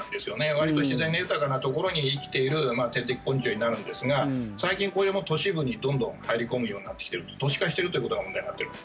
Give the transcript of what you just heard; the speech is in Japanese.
わりと自然が豊かなところに生きている天敵昆虫になるんですが最近、これも都市部にどんどん入り込むようになってきている都市化しているということが問題になっている。